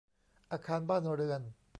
อาคารบ้านเรือน